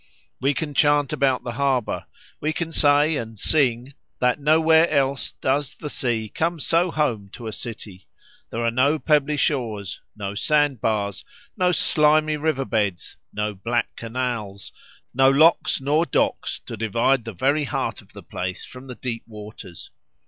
We can chant about the harbour; we can say, and sing, that nowhere else does the sea come so home to a city; there are no pebbly shores—no sand bars—no slimy river beds—no black canals—no locks nor docks to divide the very heart of the place from the deep waters.